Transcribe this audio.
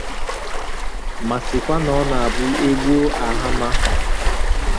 ma sịkwa na ọ na-abụ e gbuo àhàmà